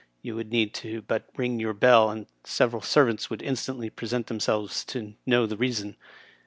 R you would need but to ring your bell, and several serv ants would instantly present themselves to know the reason.